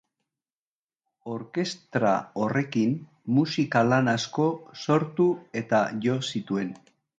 Orkestra horrekin musika lan asko sortu eta jo zituen.